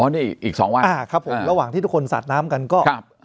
นี่อีกสองวันอ่าครับผมระหว่างที่ทุกคนสาดน้ำกันก็ครับ